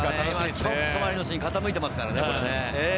ちょっとマリノスに傾いてますからね。